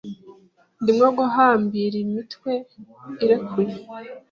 Ndimo guhambira imitwe irekuye.